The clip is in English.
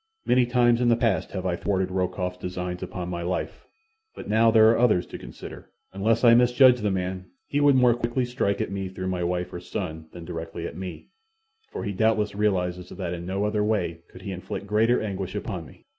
"Many times in the past have I thwarted Rokoff's designs upon my life; but now there are others to consider. Unless I misjudge the man, he would more quickly strike at me through my wife or son than directly at me, for he doubtless realizes that in no other way could he inflict greater anguish upon me.